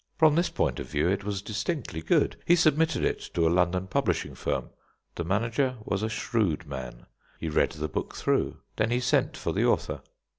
From this point of view it was distinctly good. He submitted it to a London publishing firm. The manager was a shrewd man. He read the book through. Then he sent for the author.